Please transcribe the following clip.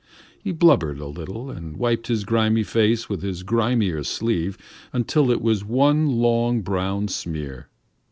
He blubbered a little and wiped his grimy face with his grimier sleeve until it was one long, brown smear.